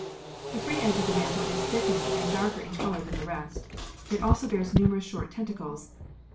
The free edge of the mantle is thickened and darker in colour than the rest. It also bears numerous short tentacles.